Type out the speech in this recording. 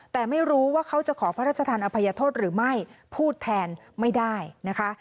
แต่ไม่รู้ว่าเขาจะขอพระราชทานอภัยโทษหรือไม่พูดแทนไม่ได้นะคะ